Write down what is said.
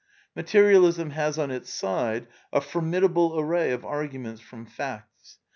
Materialism has on its side a formidable array of argu ments from facts.